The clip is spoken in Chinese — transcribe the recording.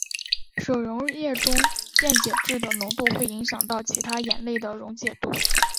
水溶液中电解质的浓度会影响到其他盐类的溶解度。